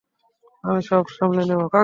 আমি সব সামলে নেবো।